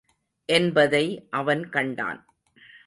என்பதை அவன் கண்டான்.